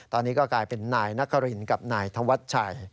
ตอนนี้ก็กลายเป็นนายนครินกับนายธวัชชัย